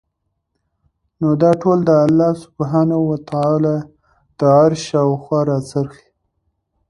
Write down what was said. نو دا ټول د الله سبحانه وتعالی د عرش شاوخوا راڅرخي